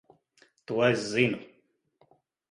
To es zinu.